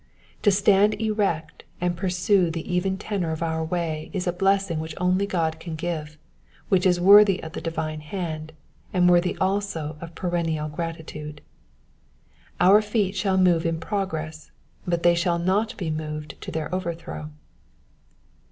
To stand erect and pursue the even tenor of our way is a blessing which only God can give, which is worthy of the divine hand, and worthy also of perennial gratitude. Our feet shall move in progress, but they shall not be moved to their overthrow.